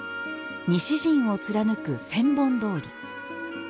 西陣を貫く千本通。